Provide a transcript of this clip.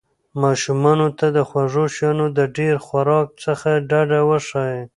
ماشومانو ته د خوږو شیانو د ډېر خوراک څخه ډډه وښایئ.